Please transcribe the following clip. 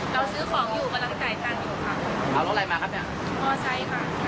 ตัวไซส์ที่